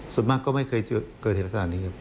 ส่วนมากก็ไม่เคยเกิดเหตุลักษณะนี้ครับ